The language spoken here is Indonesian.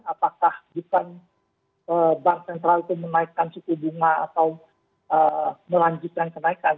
apakah bukan bank sentral itu menaikkan suku bunga atau melanjutkan kenaikan